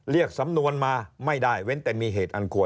เรียกสำนวนมาไม่ได้เว้นแต่มีเหตุอันควร